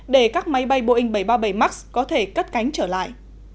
để các máy bay boeing bảy trăm ba mươi bảy max có thể cất cánh trở lại